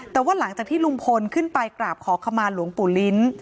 แต่ว่าหลังจากที่ลุงพลขึ้นไปกราบขอขมาหลวงปู่ลิ้น